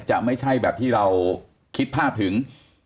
จะไม่ใช่แบบที่เราคิดภาพถึง